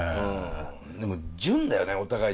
でも純だよねお互い。